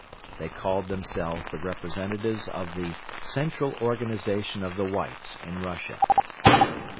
They called themselves the representatives of the Central Organization of the Whites in Russia.